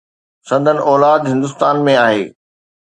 سندن اولاد هندستان ۾ آهي.